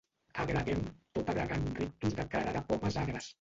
Agregem, tot agregant un rictus de cara de pomes agres.